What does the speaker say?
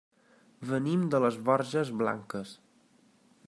Venim de les Borges Blanques.